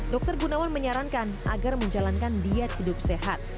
dr gunawan menyarankan agar menjalankan diet hidup sehat